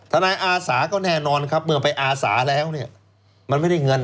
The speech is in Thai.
นายอาสาก็แน่นอนครับเมื่อไปอาสาแล้วเนี่ยมันไม่ได้เงิน